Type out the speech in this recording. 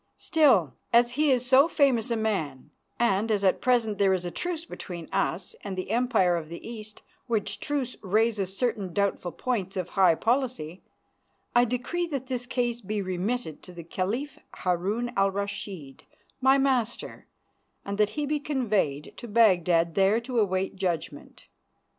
Still, as he is so famous a man, and as at present there is a truce between us and the Empire of the East, which truce raises certain doubtful points of high policy, I decree that his case be remitted to the Caliph Harun al Rashid, my master, and that he be conveyed to Baghdad there to await judgment.